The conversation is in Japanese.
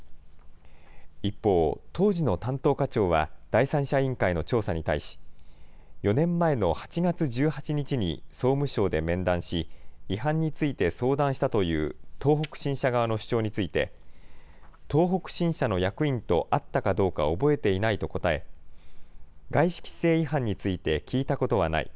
一方、当時の担当課長は第三者委員会の調査に対し、４年前の８月１８日に総務省で面談し、違反について相談したという東北新社側の主張について、東北新社の役員と会ったかどうか覚えていないと答え、外資規制違反について聞いたことはない。